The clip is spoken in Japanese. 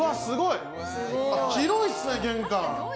広いっすね、玄関。